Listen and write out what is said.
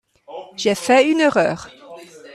J'ai fait une erreur.